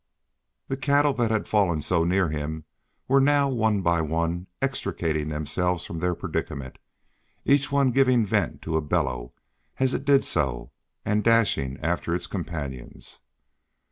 The cattle that had fallen so near him, were now one by one extricating themselves from their predicament, each one giving vent to a bellow as it did so and dashing after its companions.